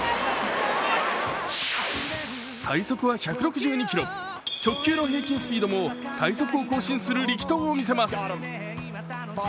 最速は１６２キロ直球の平均スピードも最速を更新する力投を見せます。